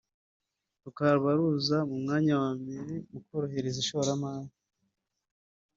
Rukaba ruza mu myanya ya mbere mu korohereza ishoramari”